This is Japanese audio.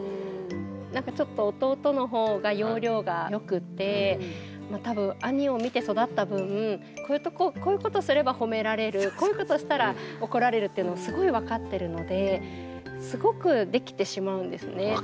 なんかちょっと弟の方が要領が良くて多分兄を見て育った分こういうことすればほめられるこういうことしたら怒られるっていうのをすごい分かってるのですごくできてしまうんですね。